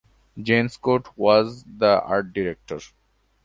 Jan Scott was the art director.